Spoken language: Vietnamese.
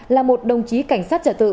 là một đồng chí cảnh sát trả tự